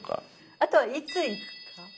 あとはいつ行くか。